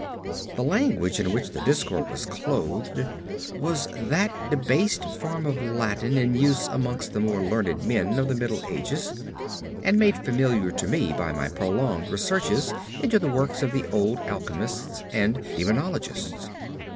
The language in which the discourse was clothed was that debased form of Latin in use amongst the more learned men of the Middle Ages, and made familiar to me by my prolonged researches into the works of the old alchemists and demonologists.